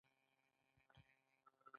د هغوی ځواکمنول د مبارزې یوه اساسي برخه ده.